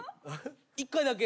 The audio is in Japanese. １回だけ。